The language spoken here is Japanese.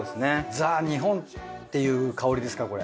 ザ日本っていう香りですかこれ。